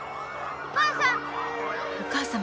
お母さん！